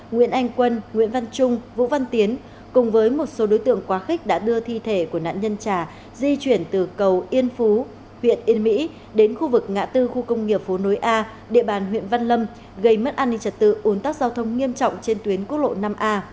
nguyễn anh quân nguyễn văn trung vũ văn tiến cùng với một số đối tượng quá khích đã đưa thi thể của nạn nhân trà di chuyển từ cầu yên phú huyện yên mỹ đến khu vực ngã tư khu công nghiệp phố nối a địa bàn huyện văn lâm gây mất an ninh trật tự uốn tắc giao thông nghiêm trọng trên tuyến quốc lộ năm a